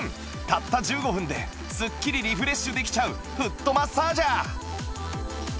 たった１５分でスッキリリフレッシュできちゃうフットマッサージャー